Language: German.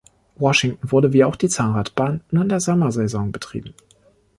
Washington wurde, wie auch die Zahnradbahn, nur in der Sommersaison betrieben.